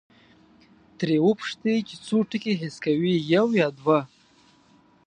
ترې وپوښتئ چې څو ټکي حس کوي، یو یا دوه؟